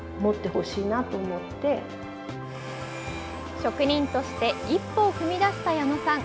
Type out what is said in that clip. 職人として一歩を踏み出した矢野さん。